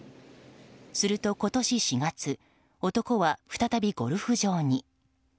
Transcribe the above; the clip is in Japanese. すると、今年４月男は再び、ゴルフ場に。